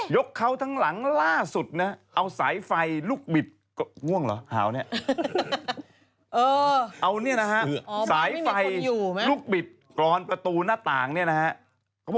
ยกเขาทั้งหลังล่าสุดนะเอาสายไฟลูกบิดก็ง่วงเหรอหาวเนี่ยนะฮะ